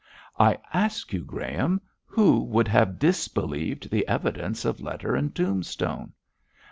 I ask you, Graham, who would have disbelieved the evidence of letter and tombstone?'